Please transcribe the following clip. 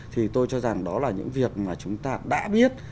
thì tôi cho rằng đó là những việc mà chúng ta đã biết